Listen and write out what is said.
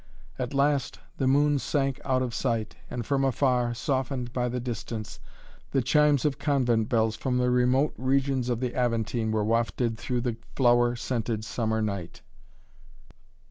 At last the moon sank out of sight and from afar, softened by the distance, the chimes of convent bells from the remote regions of the Aventine were wafted through the flower scented summer night.